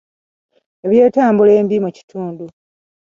Ebyentambula embi mu kitundu.